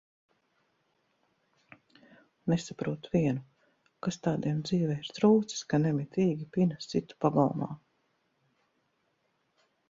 Nesaprotu vienu, kas tādiem dzīvē ir trūcis, ka nemitīgi pinas citu pagalmā?